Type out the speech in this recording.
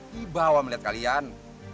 di bawah melihat kalian